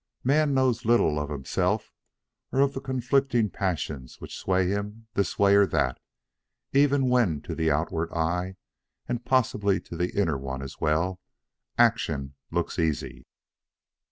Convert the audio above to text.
Man knows little of himself or of the conflicting passions which sway him this way or that, even when to the outward eye, and possibly to the inner one as well, action looks easy.